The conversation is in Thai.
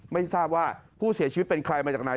ไม่ทราบว่าผู้เสียชีวิตเป็นใครมาจากไหน